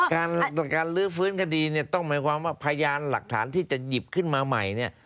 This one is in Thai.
การลื้อฟื้นคดีเนี่ยต้องหมายความว่าพยานหลักฐานที่จะหยิบขึ้นมาใหม่เนี่ย